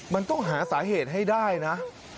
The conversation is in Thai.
มันต้องหาสาเหตุให้ได้นะ